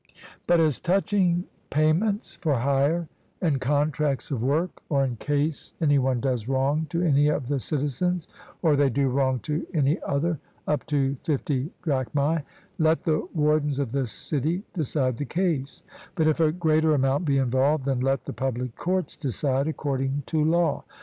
But as touching payments for hire, and contracts of work, or in case any one does wrong to any of the citizens, or they do wrong to any other, up to fifty drachmae, let the wardens of the city decide the case; but if a greater amount be involved, then let the public courts decide according to law.